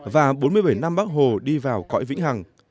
và bốn mươi bảy năm bắc hồ đi vào cõi vĩnh hằng